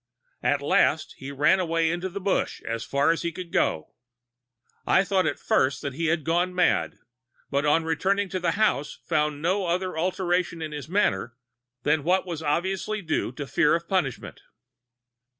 At last he ran away into the brush as fast as he could go. I thought at first that he had gone mad, but on returning to the house found no other alteration in his manner than what was obviously due to fear of punishment.